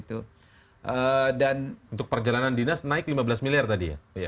untuk perjalanan dinas naik lima belas miliar tadi ya